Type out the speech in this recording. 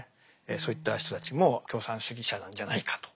そういった人たちも共産主義者なんじゃないかと。